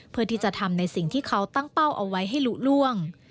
เพื่อที่จะทำในสิ่งที่เขาตั้งเป้าเอาไว้ให้ลุล่วง